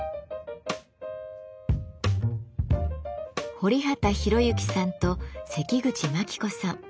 堀畑裕之さんと関口真希子さん。